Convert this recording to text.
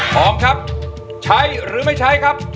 พร้อมครับใช้หรือไม่ใช้ครับ